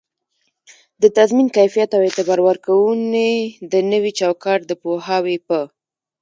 د تضمین کیفیت او اعتبار ورکووني د نوي چوکات د پوهاوي په